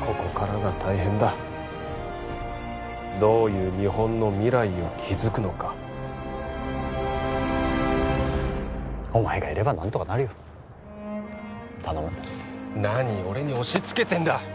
ここからが大変だどういう日本の未来を築くのかお前がいれば何とかなるよ頼む何俺に押しつけてんだ